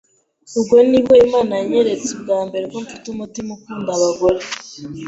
Ubwo ni bwo Imana yanyeretse ubwa mbere ko mfite umutima ukunda abagore